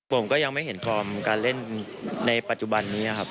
ผมก็ยังไม่เห็นฟอร์มการเล่นในปัจจุบันนี้ครับ